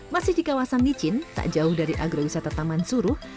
masih di kawasan licin tak jauh dari agrowisata taman suruh